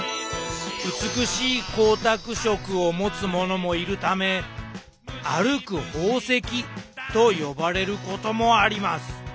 美しい光沢色を持つものもいるため歩く宝石と呼ばれることもあります。